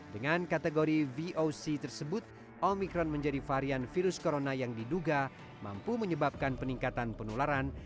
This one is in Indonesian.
dengan kategori voc tersebut omikron menjadi varian virus corona yang diduga mampu menyebabkan peningkatan penularan